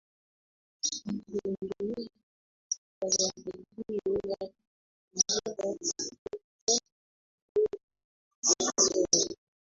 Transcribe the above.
ilitengenezwa katika jaribio la kupunguza sumu ibogeni ina sumu